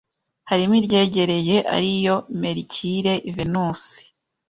harimo iryegereye ari yo: Merikire, Venusi,